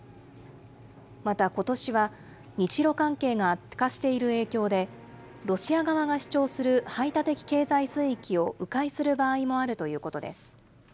また、ことしは日ロ関係が悪化している影響で、ロシア側が主張する排他的経済水域をう回する場合もあるということです。